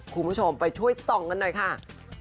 คุณผู้ชมไปช่วยส่องกันหน่อยค่ะ